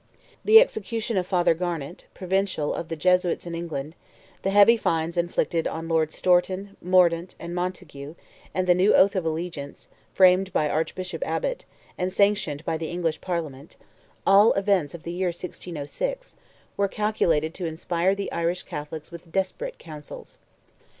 The execution of Father Garnet, Provincial of the Jesuits in England, the heavy fines inflicted on Lords Stourton, Mordaunt, and Montague, and the new oath of allegiance, framed by Archbishop Abbott, and sanctioned by the English Parliament—all events of the year 1606—were calculated to inspire the Irish Catholics with desperate councils.